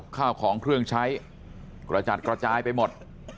ข้าวของเครื่องใช้กระจัดกระจายไปหมด